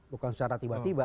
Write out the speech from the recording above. bukan secara tiba tiba